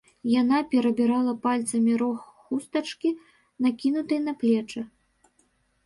Яна перабірала пальцамі рог хустачкі, накінутай на плечы.